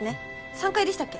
３階でしたっけ？